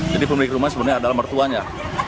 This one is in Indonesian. jadi pemilik rumah sebenarnya adalah mertuanya